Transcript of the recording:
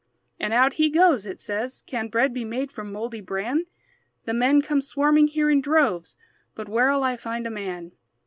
And out he goes. It says, "Can bread Be made from mouldy bran? The men come swarming here in droves, But where'll I find a man?"